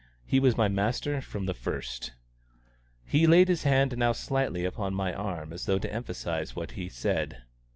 He was my master from the first. He laid his hand now slightly upon my arm, as though to emphasise what he said.